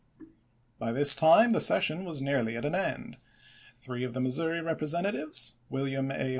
By this time the session was nearly at an end. Three of the Missouri Eepre sentatives, WiUiam A.